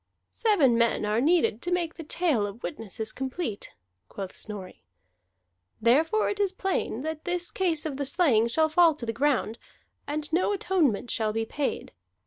"Seven men are needed to make the tale of the witnesses complete," quoth Snorri. "Therefore it is plain that this case of the slaying shall fall to the ground, and no atonement shall be paid.